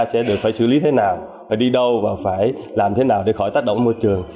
sẽ được phải xử lý thế nào phải đi đâu và phải làm thế nào để khỏi tác động môi trường